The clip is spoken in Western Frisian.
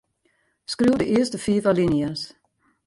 Skriuw de earste fiif alinea's.